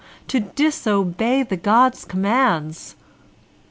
to disobey the gods' commands!